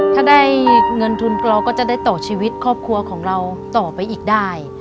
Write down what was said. ถ้าได้เงินทุนเราก็จะได้ต่อชีวิตครอบครัวของเราต่อไปอีกได้